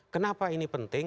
kenapa ini penting